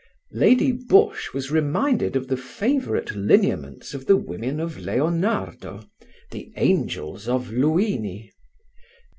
Lady Busshe was reminded of the favourite lineaments of the women of Leonardo, the angels of Luini.